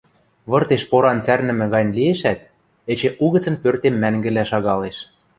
Выртеш поран цӓрнӹмӹ гань лиэшӓт, эче угӹцӹн пӧртем мӓнгӹлӓ шагалеш.